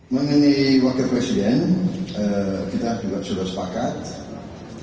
mengenai wakil presiden kita juga sudah sepakat